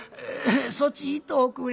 「そっち行っとおくれ。